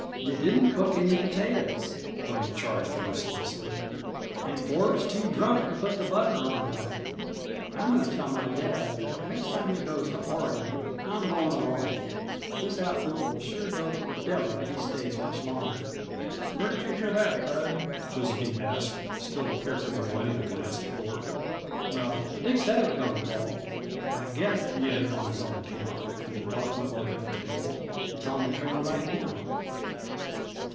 "You didn't cook any potatoes!" Buddy charged mercilessly. "And Ford's too drunk to put the butter on right. I'm going to tell my dad that next time he goes to Oregon I'm going along. This outfit will sure go to the devil if he stays much longer!" "Where did you hear that, Bud?" Josephine asked, still carefully avoiding a glance at Ford. "Well, Dick said it would go to the devil. I guess," he added on his own account, with an eloquent look at the table, "it's on the trail right now."